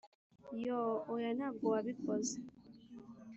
yo oya ntabwo wabikoze.